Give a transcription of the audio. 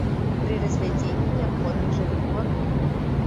Пры развядзенні неабходны жывы корм.